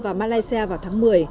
và malaysia vào tháng một mươi